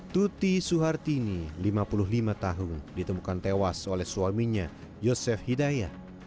tuti suhartini lima puluh lima tahun ditemukan tewas oleh suaminya yosef hidayah